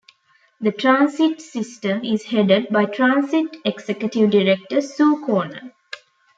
The transit system is headed by Transit Executive Director Sue Connor.